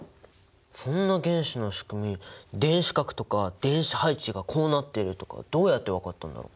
そんな原子のしくみ電子殻とか電子配置がこうなっているとかどうやって分かったんだろう？